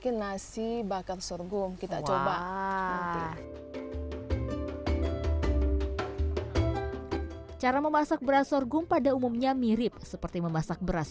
ini harus diaduk aduk terus ya bu